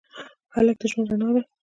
هلک د ژوند رڼا ده.